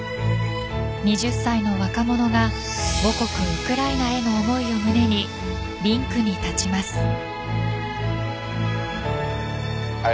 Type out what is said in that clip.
２０歳の若者が母国・ウクライナへの思いを胸にリンクに立ちます。